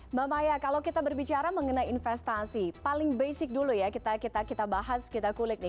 mbak maya kalau kita berbicara mengenai investasi paling basic dulu ya kita bahas kita kulik nih